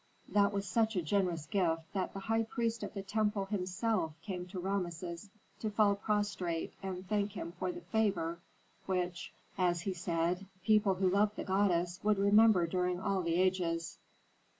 That was such a generous gift that the high priest of the temple himself came to Rameses to fall prostrate and thank him for the favor which, as he said, people who loved the goddess would remember during all the ages.